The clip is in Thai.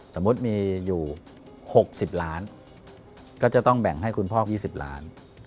สมมุติมีอยู่๖๐ล้านก็จะต้องแบ่งให้คุณพ่อ๒๐ล้าน